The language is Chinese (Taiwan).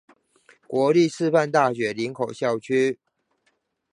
國立師範大學林口校區